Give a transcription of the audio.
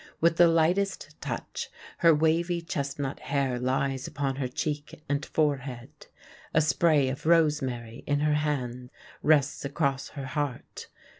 With the lightest touch her wavy chestnut hair lies upon her cheek and forehead. A spray of rosemary in her hand rests across her heart.